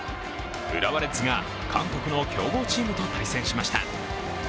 浦和レッズが韓国の強豪チームと激突しました。